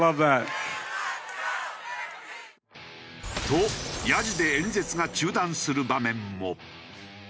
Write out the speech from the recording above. とヤジで演説が中断する場面も。